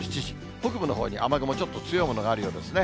北部のほうに雨雲、ちょっと強いものがあるようですね。